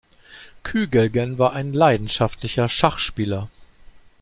Kügelgen war ein leidenschaftlicher Schachspieler.